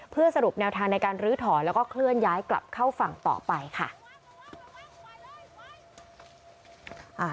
เพื่อสรุปแนวทางในการลื้อถอนแล้วก็เคลื่อนย้ายกลับเข้าฝั่งต่อไปค่ะ